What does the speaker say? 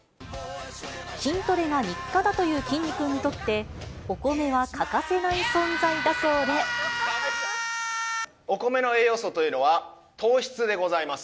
筋トレが日課だというきんに君にとって、お米は欠かせない存在だお米の栄養素というのは糖質でございます。